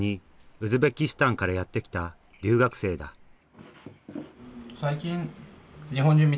ウズベキスタンからやって来た留学生だラジズ？